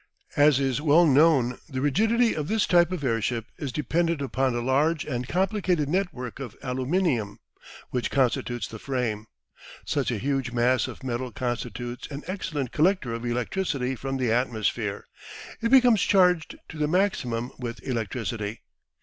As is well known the rigidity of this type of airship is dependent upon a large and complicated network of aluminium, which constitutes the frame. Such a huge mass of metal constitutes an excellent collector of electricity from the atmosphere; it becomes charged to the maximum with electricity.